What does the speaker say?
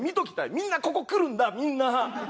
みんなここ来るんだみんな！